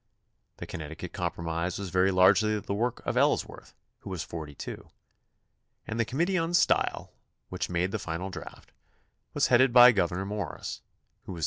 The Con necticut compromise was very largely the work of Ellsworth, who was 42; and the committee on style, which made the final draft, was headed by Gouverneur Morris, who was 35.